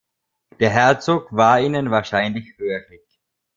Der Herzog war ihnen wahrscheinlich hörig.